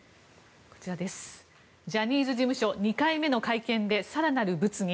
ジャニーズ事務所２回目の会見で更なる物議。